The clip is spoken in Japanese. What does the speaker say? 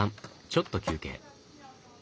ちょっと休憩。